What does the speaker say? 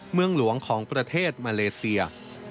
เมืองหลวงของประเทศมาเลเซีย